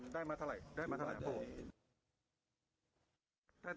ได้มาเท่าไร